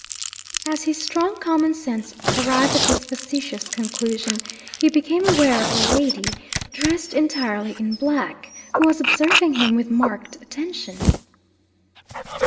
As his strong common sense arrived at this facetious conclusion, he became aware of a lady, dressed entirely in black, who was observing him with marked attention.